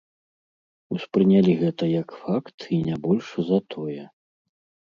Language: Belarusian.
Успрынялі гэта як факт і не больш за тое.